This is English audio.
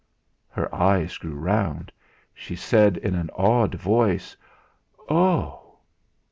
Her eyes grew round; she said in an awed voice: "Oh!"